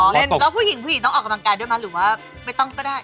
แล้วผู้หญิงผู้หญิงต้องออกกำลังกายด้วยมั้ยหรือว่าไม่ต้องก็ได้